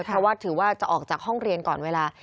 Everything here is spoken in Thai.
เพราะว่าถือว่าจะออกจากห้องเรียนก่อนเวลา